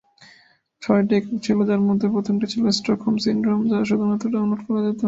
ছয়টি একক ছিল, যার মধ্যে প্রথমটি ছিল "স্টকহোম সিনড্রোম", যা শুধুমাত্র ডাউনলোড করা যেত।